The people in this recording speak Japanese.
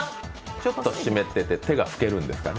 ちょっと湿ってて手がふけるんですかね。